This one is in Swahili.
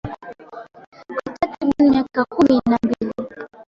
kwa takribani miaka kumi na mbili